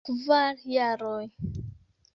Kvar jaroj.